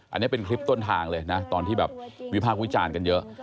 อันนี้เป็นคลิปต้นทางเลยนะตอนที่แบบวิพากษ์วิจารณ์กันเยอะ